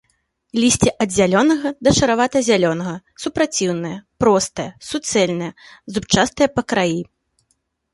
Лісце ад зялёнага да шаравата-зялёнага, супраціўнае, простае, суцэльнае, зубчастае па краі.